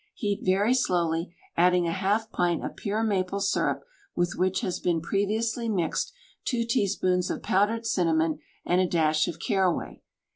Heat very slowly, adding a half pint of pure maple syrup with which has been previously mixed two teaspoons of powdered cinnamon and a dash of caraway.